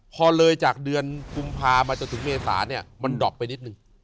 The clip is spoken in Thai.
พอเลยจากเดือนกุมภามาจนถึงเมษาเนี่ยมันดอบไปนิดนึง